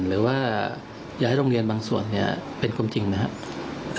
หรือว่าอยากให้โรงเรียนบางส่วนเป็นความจริงนะครับ